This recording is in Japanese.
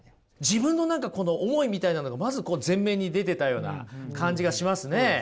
自分の何か思いみたいなのがまず前面に出てたような感じがしますね。